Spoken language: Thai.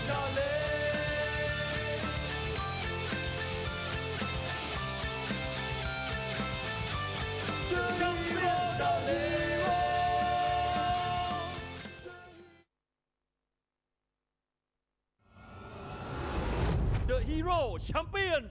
จังหวาดึงซ้ายตายังดีอยู่ครับเพชรมงคล